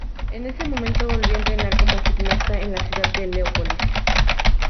En ese momento volvió a entrenar como gimnasta en la ciudad de Leópolis.